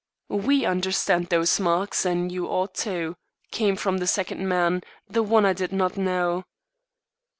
"We understand those marks, and you ought to," came from the second man, the one I did not know.